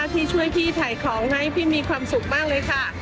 ที่ช่วยพี่ถ่ายของให้พี่มีความสุขมากเลยค่ะ